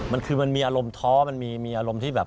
มันคือมันมีอารมณ์ท้อมันมีอารมณ์ที่แบบ